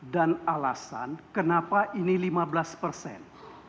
dan alasan kenapa ini lima belas persen